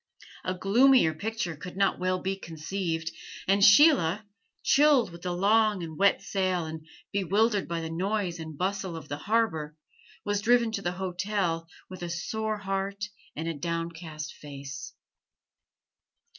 A gloomier picture could not well be conceived; and Sheila, chilled with the long and wet sail and bewildered by the noise and bustle of the harbor, was driven to the hotel with a sore heart and a downcast face.